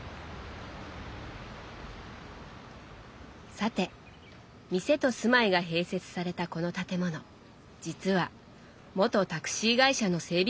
さて店と住まいが併設されたこの建物実は元タクシー会社の整備